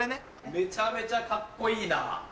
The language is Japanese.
めちゃめちゃカッコいいな！